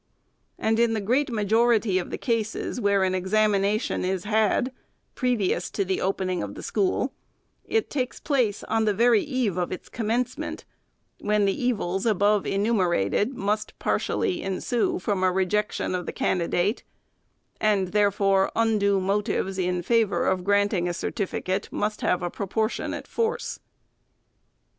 And in the great majority of the cases where an examination is had, previous to the opening of the school, it takes place on the very eve of its commencement, when the evils above enumerated must partially ensue from a rejection of the candidate, and, therefore, undue motives in favor of granting a cer tificate must have a proportionate force.